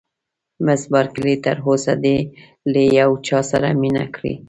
مس بارکلي: تر اوسه دې له یو چا سره مینه کړې؟